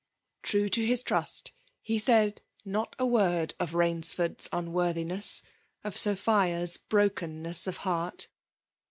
True to his trust* he said not a word of Bains fcnrd's unworthiness, of Sophia's brokenness of h^urt.'